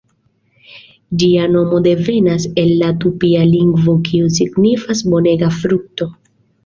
Ĝia nomo devenas el la tupia lingvo kiu signifas "bonega frukto".